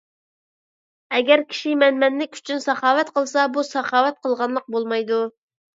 ئەگەر كىشى مەنمەنلىك ئۈچۈن ساخاۋەت قىلسا، بۇ ساخاۋەت قىلغانلىق بولمايدۇ.